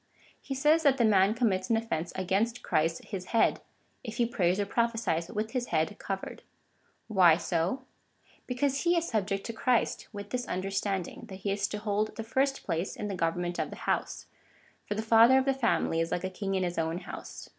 He says that the ma7i commits an offence against Christ his head, if he prays or prophesies with his head covered. Why so ? Because he is subject to Christ, with this understand ing, that he is to hold the first place in the government of the house — for the father of the family is like a king in his own house.